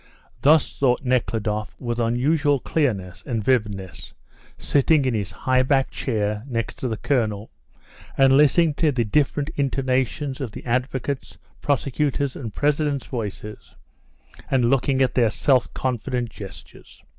Thus thought Nekhludoff with unusual clearness and vividness, sitting in his high backed chair next to the colonel, and listening to the different intonations of the advocates', prosecutor's, and president's voices, and looking at their self confident gestures.